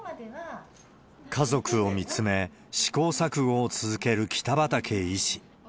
家族を見つめ、試行錯誤を続ける北畠医師。